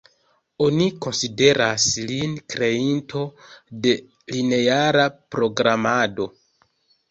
Oni konsideras lin kreinto de lineara programado.